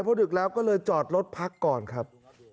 พอดึกแล้วก็เลยจอดรถพักก่อนครับ